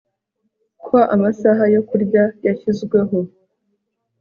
ko amasaha yo kurya yashyizweho